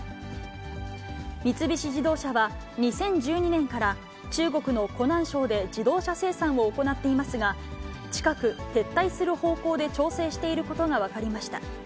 三菱自動車は、２０１２年から中国の湖南省で自動車生産を行っていますが、近く撤退する方向で調整していることが分かりました。